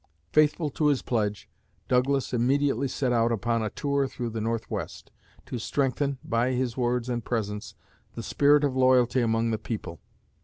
Faithful to his pledge, Douglas immediately set out upon a tour through the Northwest, to strengthen, by his words and presence, the spirit of loyalty among the people.